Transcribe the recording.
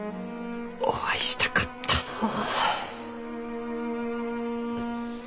お会いしたかったのう。